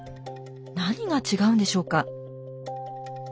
何が違うんでしょうか。